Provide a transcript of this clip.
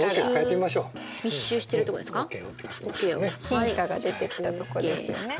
金貨が出てきたとこですよね。